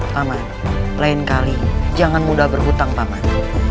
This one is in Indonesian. paman lain kali jangan mudah berhutang paman